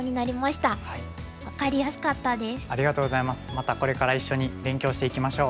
またこれから一緒に勉強していきましょう。